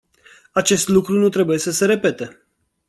Acest lucru nu trebuie să se repete.